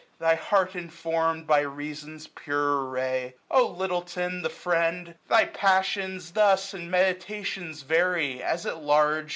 Thy heart informed by reason's purer ray, O Lyttelton, the friend ! thy passions thus And meditations vary, as at large.